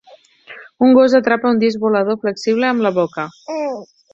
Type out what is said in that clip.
Un gos atrapa un disc volador flexible amb la boca.